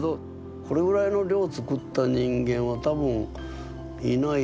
これぐらいの量作った人間は多分いない。